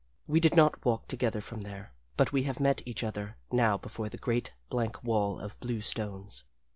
We did not walk together from there, but we have met each other now before the great, blank wall of blue stones.